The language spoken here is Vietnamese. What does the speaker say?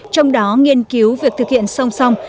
trong đó nghiên cứu việc thực hiện song song